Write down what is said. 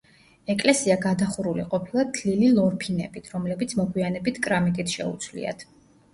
ეკლესია გადახურული ყოფილა თლილი ლორფინებით, რომლებიც მოგვიანებით კრამიტით შეუცვლიათ.